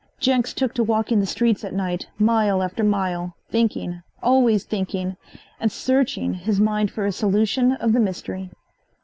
Jenks took to walking the streets at night, mile after mile, thinking, always thinking, and searching his mind for a solution of the mystery.